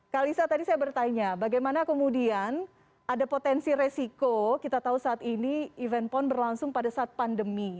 kalisa tadi saya bertanya bagaimana kemudian ada potensi resiko kita tahu saat ini event pon berlangsung pada saat pandemi